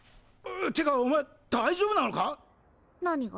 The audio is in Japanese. てかお前大丈夫なのか⁉何が？